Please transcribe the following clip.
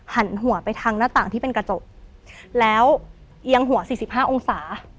หันหัวไปทางหน้าต่างที่เป็นกระจกแล้วเอียงหัวสี่สิบห้าองศา